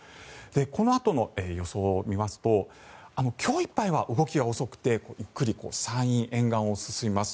このあとの予想を見ますと今日いっぱいは動きは遅くてゆっくり山陰沿岸を進みます。